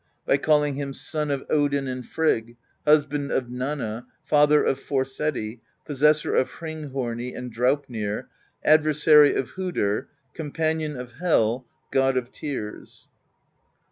By calling him Son of Odin and Frigg, Husband of Nanna, Father of Forseti, Possessor of Hringhorni and Draupnir, Adversary of Hodr, Companion of Hel, God of Tears.